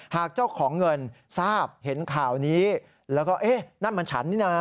หากเจ้าของเงินทราบเห็นข่าวนี้แล้วก็เอ๊ะนั่นมันฉันนี่นะ